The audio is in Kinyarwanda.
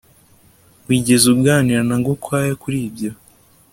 Wigeze uganira na Gakwaya kuri ibyo